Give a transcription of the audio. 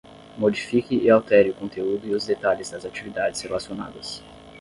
Modifique e altere o conteúdo e os detalhes das atividades relacionadas